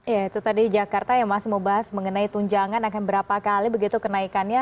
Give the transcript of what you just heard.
ya itu tadi jakarta yang masih membahas mengenai tunjangan akan berapa kali begitu kenaikannya